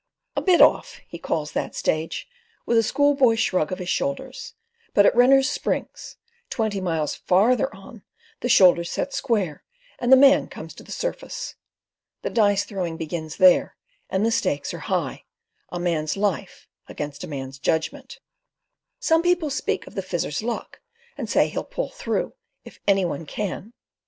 "A bit off," he calls that stage, with a school boy shrug of his shoulders; but at Renner's Springs, twenty miles farther on, the shoulders set square, and the man comes to the surface. The dice throwing begins there, and the stakes are high—a man's life against a man's judgment. Some people speak of the Fizzer's luck, and say he'll pull through, if any one can.